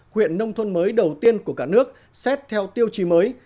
huyện nông thôn mới đầu tiên của cả nước xét theo tiêu chí mới